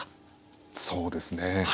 そうですね。